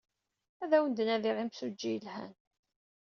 Ad awen-d-nadiɣ imsujji yelhan.